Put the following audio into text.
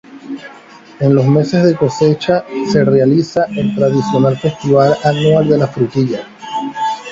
En los meses de cosecha, se realiza el tradicional Festival anual de la frutilla.